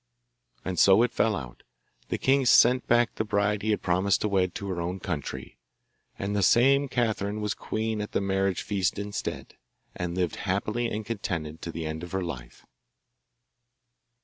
And so it fell out. The king sent back the bride he had promised to wed to her own country, and the same Catherine was queen at the marriage feast instead, and lived happy and contented to the end of her life.